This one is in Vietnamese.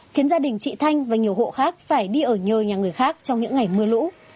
khiến gia đình chị thanh và nhiều hộ khác phải đi ở nhờ nhà người khác trong những ngày mưa lũ